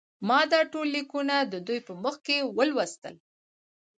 ما دا ټول لیکونه د دوی په مخ کې ولوستل.